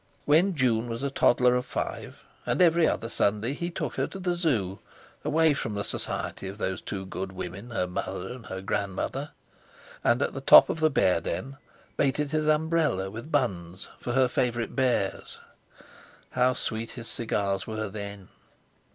When June was a toddler of five, and every other Sunday he took her to the Zoo, away from the society of those two good women, her mother and her grandmother, and at the top of the bear den baited his umbrella with buns for her favourite bears, how sweet his cigars were then!